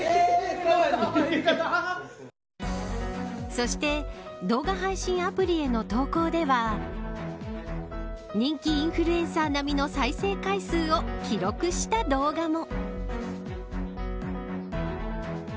そして動画配信アプリへの投稿では人気インフルエンサー並みの再生回数を記録した動画も。